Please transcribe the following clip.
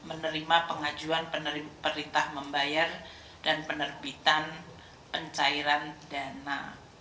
menerima pengajuan perintah membayar dan penerbitan pencairan dana